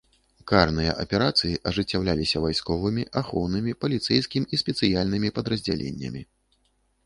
Карныя аперацыі ажыццяўляліся вайсковымі, ахоўнымі, паліцэйскім і спецыяльнымі падраздзяленнямі.